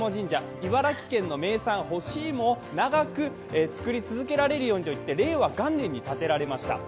茨城県の名産、干しいもを長く作られるようにと令和元年に建てられました。